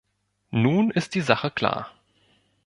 Nun ist die Sache klar.